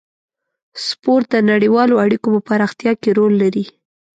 سپورت د نړیوالو اړیکو په پراختیا کې رول لري.